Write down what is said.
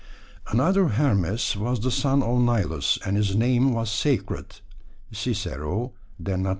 Another "Hermes" was the son of Nilus, and his name was sacred (Cicero, _De Nat.